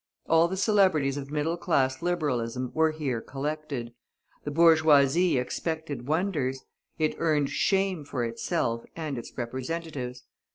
All the celebrities of middle class Liberalism were here collected. The bourgeoisie expected wonders; it earned shame for itself and its representatives.